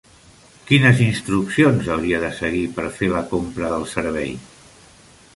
Quines instruccions hauria de seguir per fer la compra del servei?